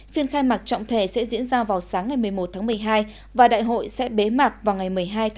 phiên khai mạc trọng thể sẽ diễn ra vào sáng ngày một mươi một một mươi hai và đại hội sẽ bế mạc vào ngày một mươi hai một mươi hai